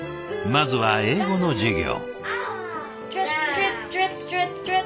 まずは英語の授業。